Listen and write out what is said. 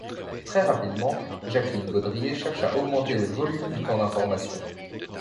Très rapidement, Jacqueline Baudrier cherche à augmenter le volume du temps d’information.